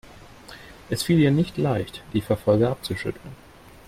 Es fiel ihr nicht leicht, die Verfolger abzuschütteln.